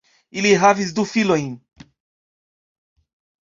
Ili havis du filojn.